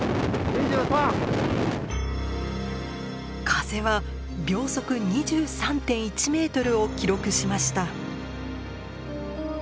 風は秒速２３．１ｍを記録しました。